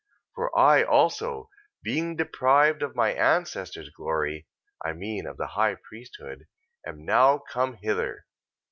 14:7. For I also being deprived of my ancestor's glory (I mean of the high priesthood) am now come hither: 14:8.